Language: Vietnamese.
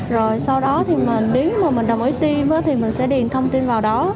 rồi sau đó nếu mình đồng ý tiêm thì mình sẽ điền thông tin vào đó